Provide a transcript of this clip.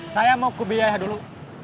saya mau kebiayah dulu